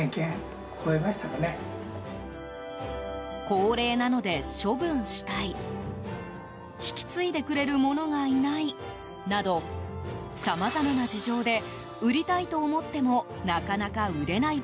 高齢なので処分したい引き継いでくれる者がいないなどさまざまな事情で売りたいと思ってもなかなか売れない